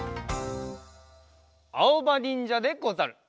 あおばにんじゃでござる！